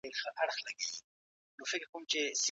سوه، چي د پارلمان اجندا ته واوښته؛ لکه د